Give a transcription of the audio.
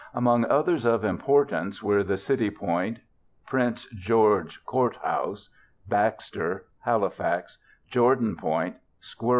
Among others of importance were the City Point, Prince George Court House, Baxter, Halifax, Jordon Point, Squirrel Level, and Cox Roads.